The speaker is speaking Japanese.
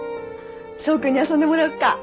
想君に遊んでもらおっか。